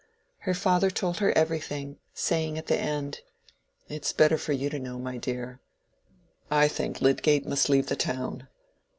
Her father told her everything, saying at the end, "It's better for you to know, my dear. I think Lydgate must leave the town.